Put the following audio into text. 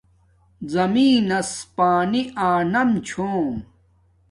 زمین نس پانی آنم چھوم